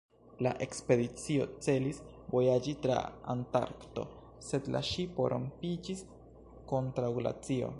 La ekspedicio celis vojaĝi tra Antarkto, sed la ŝipo rompiĝis kontraŭ glacio.